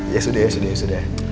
ya sudah ya sudah